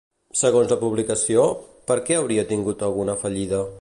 Segons la publicació, per què hauria tingut alguna fallida?